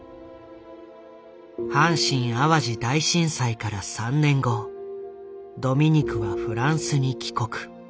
阪神淡路大震災から３年後ドミニクはフランスに帰国。